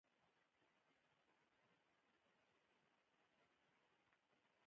• ښه نیت د انسان بخت روښانه کوي.